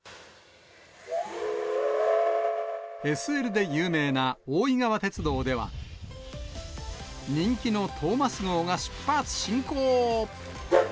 ＳＬで有名な大井川鉄道では、人気のトーマス号が出発進行！